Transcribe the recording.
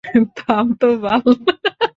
থাম তো বাল!